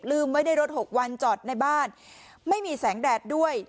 ไว้ในรถ๖วันจอดในบ้านไม่มีแสงแดดด้วย